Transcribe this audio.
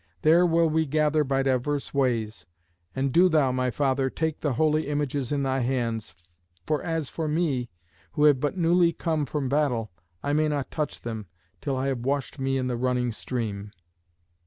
There will we gather by divers ways. And do thou, my father, take the holy images in thy hands, for as for me, who have but newly come from battle, I may not touch them till I have washed me in the running stream."